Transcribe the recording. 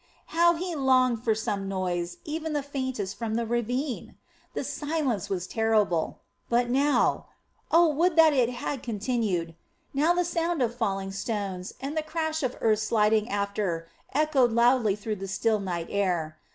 How he longed for some noise, even the faintest, from the ravine! The silence was terrible. But now! Oh, would that it had continued! Now the sound of falling stones and the crash of earth sliding after echoed loudly through the still night air.